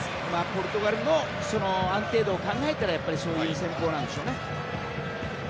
ポルトガルの安定度を考えたらそういう戦法なんでしょうね。